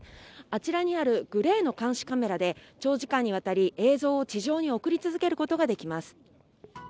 あちらにあるグレーの監視カメラで長時間にわたり映像を地上に送り続けることができます。